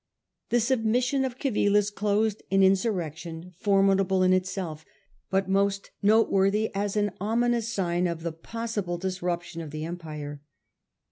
The submission of Civilis closed an insur rection, formidable in itself, but most noteworthy as an ominous sign of the possible disruption of the Empire.